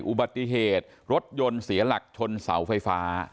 อุบัติเหตุรถยนต์เสียหลักชนเสาไฟฟ้า